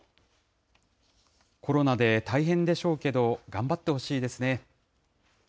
コロナで大変でしょうけど、頑張ってほしいですね。